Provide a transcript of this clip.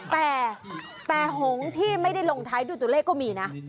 แต่แต่หงษ์ที่ไม่ได้ลงท้ายดูดดูเลกก็มีนะ